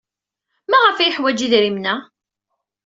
Maɣef ay yeḥwaj idrimen-a?